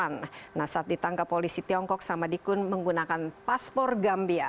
nah saat ditangkap polisi tiongkok samadikun menggunakan paspor gambia